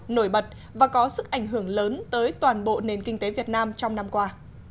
nổi bật và có sức ảnh hưởng lớn tới toàn bộ nền kinh tế việt nam trong năm qua